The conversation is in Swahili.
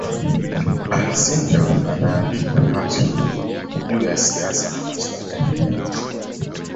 Alcindor anaandikwa haswa juu ya siasa na masuala ya kijamii.